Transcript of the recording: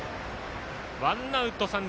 ワンアウト、三塁。